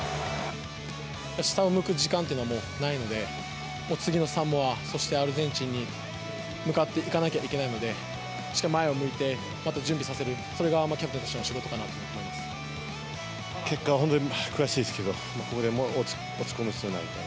下を向く時間っていうのはもうないので、もう次のサモア、そしてアルゼンチンに向かっていかなきゃいけないので、しっかり前を向いて準備させる、それがキャプテンの仕事かなと思結果は本当に悔しいですけど、ここで落ち込む必要ない。